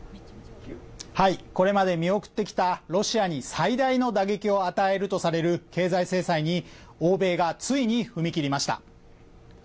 これまで見送ってきたロシアに最大の打撃を与えるとされる経済制裁に欧米がついに踏み切りました。